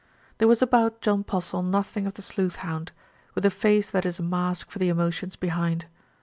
There was about John Postle nothing of the sleuth hound, with a face that is a mask for the emotions be hind.